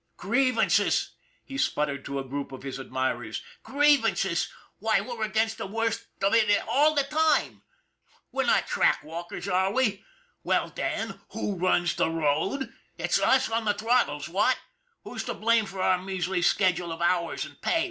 " Grievances! " he spluttered to a group of his ad mirers. " Grievances ? Why, we're against the worst of it all the time. We're not track walkers, are we? Well then, who runs the road? It's us on the throttles, what? Who's to blame for our measly schedule of hours and pay?